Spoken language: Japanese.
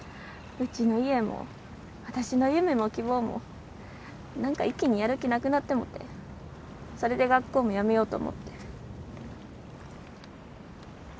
うちの家も、私の夢も希望もなんか、一気にやる気なくなってもうてそれで学校もやめようと思って。